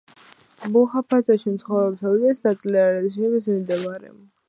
მუჰაფაზაში მაცხოვრებელთა უდიდესი ნაწილი არის შიიზმის მიმდევარი.